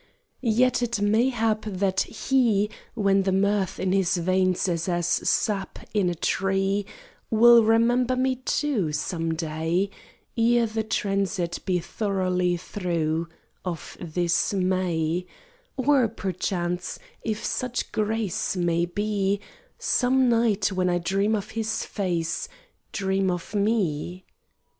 Yet it haply may hap That he, When the mirth in his veins is as sap In a tree, Will remember me too Some day Ere the transit be thoroughly through Of this May Or perchance, if such grace May be, Some night when I dream of his face. Dream of me.